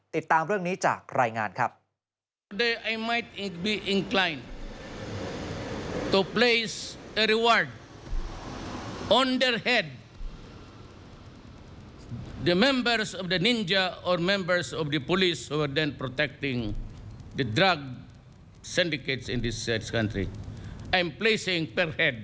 ติดตามเรื่องนี้จากรายงานครับ